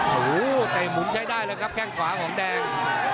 โอเหอะเทวินอย่างมุ่นใช้ได้กับแข่งขวาของแดง